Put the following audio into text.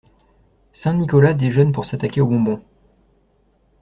Saint-Nicolas déjeune pour s'attaquer aux bonbons!